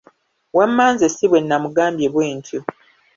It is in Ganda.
Wamma nze si bwe namugambye bwe ntyo.